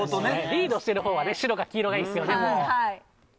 リードしてるほうは白か黄色がいいですよね。